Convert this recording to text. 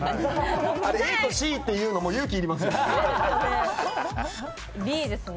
ＡとＣって言うのも勇気がいりますよね。